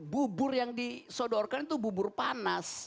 bubur yang disodorkan itu bubur panas